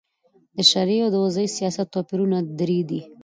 د شرعې او وضي سیاست توپیرونه درې دي.